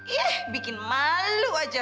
ih bikin malu aja